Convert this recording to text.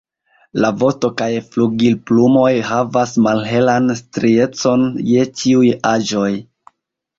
La vosto kaj flugilplumoj havas malhelan striecon je ĉiuj aĝoj.